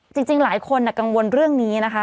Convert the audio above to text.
จริงหลายคนกังวลเรื่องนี้นะคะ